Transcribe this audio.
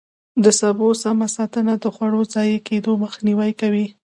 د سبو سمه ساتنه د خوړو ضایع کېدو مخنیوی کوي.